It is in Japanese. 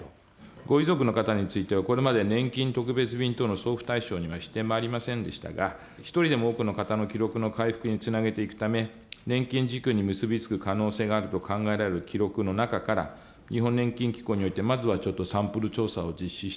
ご遺族の方についてはこれまでねんきん特別便等の送付対象にはしてまいりませんでしたが一人でも多くの方の記録の回復につなげていくため年金受給に結び付く可能性があると考えられる記録の中から日本年金機構においてまずはちょっとサンプル調査を実施してですね